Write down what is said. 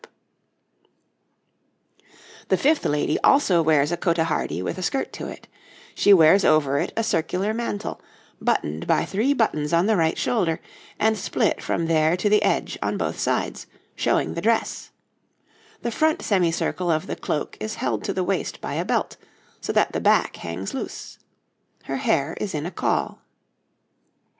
}] The fifth lady also wears a cotehardie with a skirt to it; she wears over it a circular mantle, buttoned by three buttons on the right shoulder, and split from there to the edge on both sides, showing the dress; the front semicircle of the cloak is held to the waist by a belt so that the back hangs loose. Her hair is in a caul.